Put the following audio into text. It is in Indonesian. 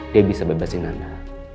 dia bisa bebasin anda